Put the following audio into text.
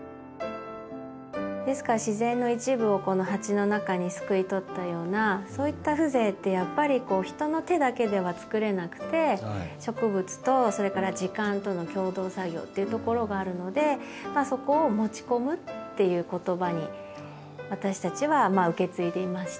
ですから自然の一部をこの鉢の中にすくい取ったようなそういった風情ってやっぱり人の手だけではつくれなくて植物とそれから時間との共同作業っていうところがあるのでそこを持ち込むっていう言葉に私たちは受け継いでいまして。